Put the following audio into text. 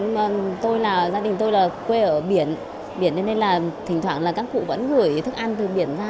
vì gia đình tôi là quê ở biển nên là thỉnh thoảng các cụ vẫn gửi thức ăn từ biển ra